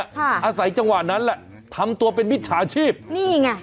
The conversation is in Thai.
ห้ะอาศัยจังหวะนั้นแหละทำตัวเป็นมิตรจะภาพนี้ไง